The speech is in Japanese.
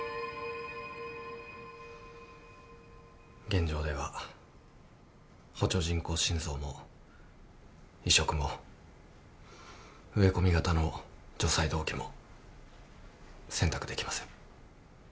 現状では補助人工心臓も移植も植え込み型の除細動器も選択できません。